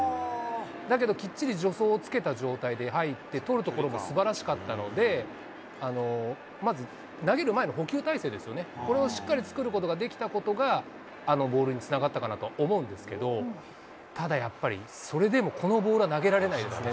だけどきっちり助走をつけた状態で入って、捕るところがすばらしかったので、まず投げる前の捕球体勢ですよね、これをしっかり作ることができたことが、あのボールにつながったかなと思うんですけど、ただ、やっぱり、それでもこのボールは投げられないですね。